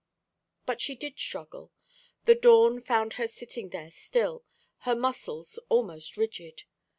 But she did struggle. The dawn found her sitting there still, her muscles almost rigid.